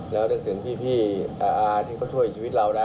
แล้วนึกถึงพี่ที่เขาช่วยชีวิตเรานะ